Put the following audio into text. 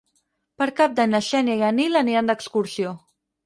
Per Cap d'Any na Xènia i en Nil aniran d'excursió.